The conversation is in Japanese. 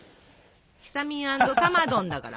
ひさみん＆かまどんだから。